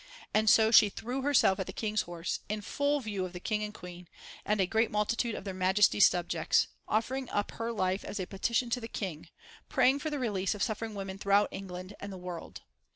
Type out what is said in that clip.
And so she threw herself at the King's horse, in full view of the King and Queen and a great multitude of their Majesties' subjects, offering up her life as a petition to the King, praying for the release of suffering women throughout England and the world.